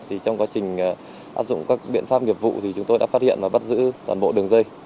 thì trong quá trình áp dụng các biện pháp nghiệp vụ thì chúng tôi đã phát hiện và bắt giữ toàn bộ đường dây